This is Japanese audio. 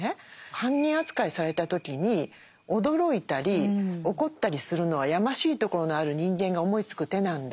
犯人扱いされた時に驚いたり怒ったりするのはやましいところのある人間が思いつく手なんだと。